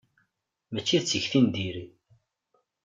Mačči d tikti n diri.